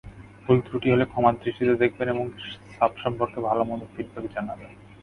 ভুলত্রুটি হলে ক্ষমার দৃষ্টিতে দেখবেন এবং সাব সম্পর্কে ভালো মন্দ ফিডব্যাক জানাবেন।